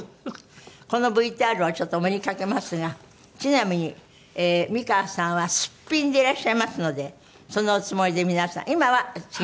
このＶＴＲをちょっとお目にかけますがちなみにええー美川さんはすっぴんでいらっしゃいますのでそのおつもりで皆さん今は違いますよ。